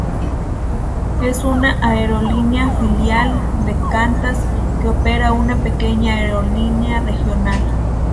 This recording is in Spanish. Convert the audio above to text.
Es una aerolínea filial de Qantas que opera una pequeña aerolínea regional.